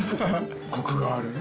コクがある。